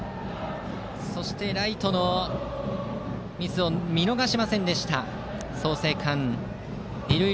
そしてライトのミスを見逃しませんでした、創成館。